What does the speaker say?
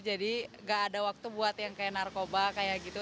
jadi gak ada waktu buat yang kayak narkoba kayak gitu